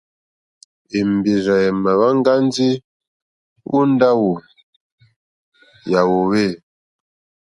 Èmbèrzà èmà wáŋgá ndí ó ndáwù yà hwòhwê.